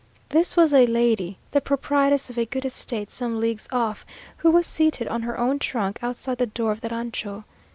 This was a lady, the proprietress of a good estate some leagues off, who was seated on her own trunk, outside the door of the rancho.